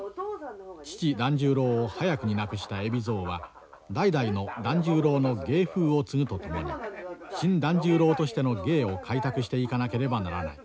父團十郎を早くに亡くした海老蔵は代々の團十郎の芸風を継ぐとともに新團十郎としての芸を開拓していかなければならない。